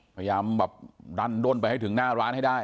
พยายามแบบดันด้นไปให้ถึงหน้าร้านให้ได้